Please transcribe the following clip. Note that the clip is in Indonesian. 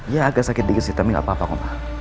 ya agak sakit diisi tapi gak apa apa ma